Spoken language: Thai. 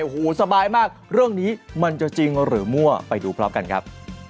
โอ้โหสบายมากเรื่องนี้มันจะจริงหรือมั่วไปดูพร้อมกันครับ